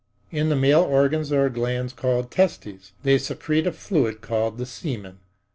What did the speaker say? In the male organs there are glands called testes. They secrete a fluid called the semen.